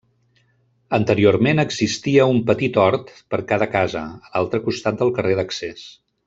Anteriorment existia un petit hort per a cada casa, a l'altre costat del carrer d'accés.